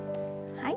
はい。